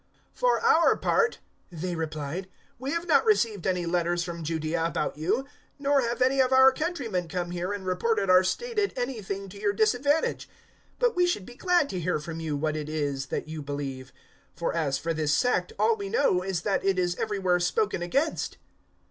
028:021 "For our part," they replied, "we have not received any letters from Judaea about you, nor have any of our countrymen come here and reported or stated anything to your disadvantage. 028:022 But we should be glad to hear from you what it is that you believe; for as for this sect all we know is that it is everywhere spoken against."